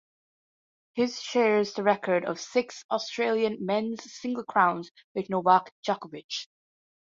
His shares the record of six Australian men's singles crowns with Novak Djokovic.